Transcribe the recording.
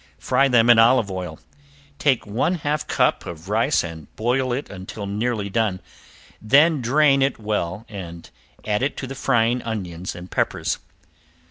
Fry them in olive oil. Take one half cup of rice and boil it until nearly done, then drain it well and add it to the frying onions and peppers.